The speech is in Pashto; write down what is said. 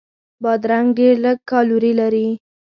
بادرنګ ډېر لږ کالوري لري.